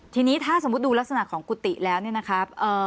ทีนี้ถ้าสมมุติดูลักษณะของกุฏิแล้วเนี่ยนะครับ